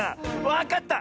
わかった！